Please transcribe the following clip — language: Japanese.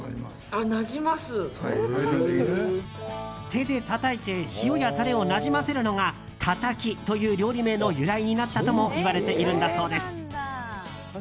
手でたたいて塩やタレをなじませるのがたたきという料理名の由来になったともいわれているんだそうです。